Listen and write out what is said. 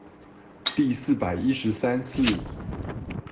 第四百一十三次